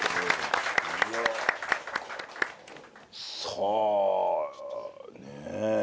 さあねえ